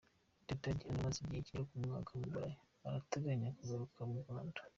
Teta Diana umaze igihe kigera ku mwaka mu Burayi, arateganya kugaruka mu Rwanda.